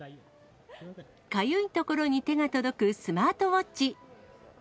かゆいところに手が届く、スマートウォッチ。